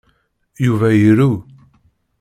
Yuba iru.